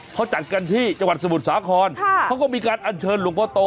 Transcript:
เขาจัดกันที่จังหวัดสมุทรสาครเขาก็มีการอัญเชิญหลวงพ่อโต